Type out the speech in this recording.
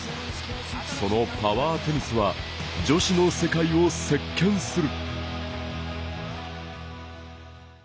そのパワーテニスは女子の世界を席けんする。